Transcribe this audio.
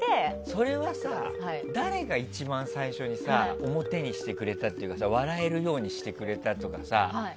それはさ誰が一番最初に表にしてくれたっていうか笑えるようにしてくれたっていうかさ。